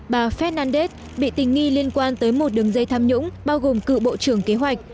bà fedandez bị tình nghi liên quan tới một đường dây tham nhũng bao gồm cựu bộ trưởng kế hoạch